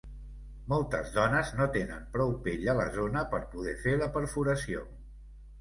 Moltes dones no tenen prou pell a la zona per poder fer la perforació.